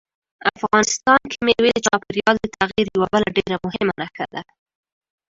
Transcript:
افغانستان کې مېوې د چاپېریال د تغیر یوه بله ډېره مهمه نښه ده.